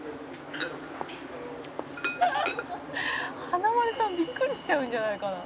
「華丸さんビックリしちゃうんじゃないかな」